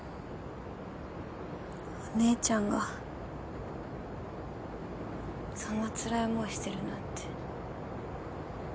お姉ちゃんがそんなつらい思いしてるなんて。